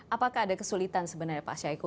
apakah ada kesulitan sebenarnya pak syahiko